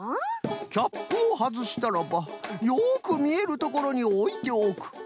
キャップをはずしたらばよくみえるところにおいておく。